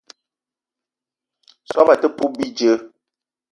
Soobo te poup bidjeu.